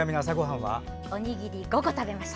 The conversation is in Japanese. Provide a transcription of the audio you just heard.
おにぎり５個食べました。